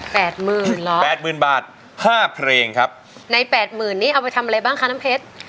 หมื่นหรอแปดหมื่นบาทห้าเพลงครับในแปดหมื่นนี้เอาไปทำอะไรบ้างคะน้ำเพชร